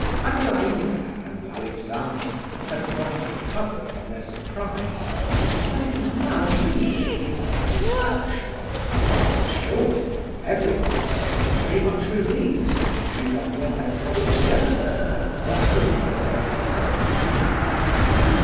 Adelaida and Alexandra had not recovered from their surprise, but it was now mingled with satisfaction; in short, everyone seemed very much relieved that Lizabetha Prokofievna had got over her paroxysm.